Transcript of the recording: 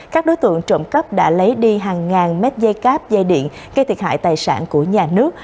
các đối tượng trộm cắp đã lấy đi hàng ngàn mét dây cáp dây điện gây thiệt hại tài sản của nhà nước